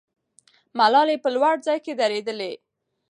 ملالۍ په لوړ ځای کې درېدلې.